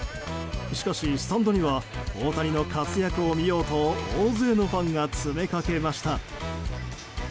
しかし、スタンドには大谷の活躍を見ようと大勢のファンが詰めかけました。